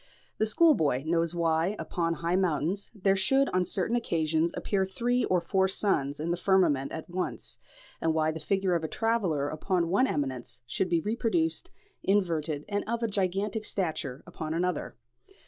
The schoolboy knows why, upon high mountains, there should on certain occasions appear three or four suns in the firmament at once, and why the figure of a traveller upon one eminence should be reproduced, inverted and of a gigantic stature, upon another.